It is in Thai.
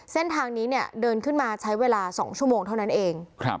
เส้นทางนี้เนี่ยเดินขึ้นมาใช้เวลา๒ชั่วโมงเท่านั้นเอง